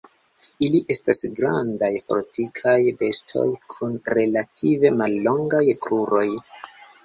Ili estas grandaj, fortikaj bestoj kun relative mallongaj kruroj.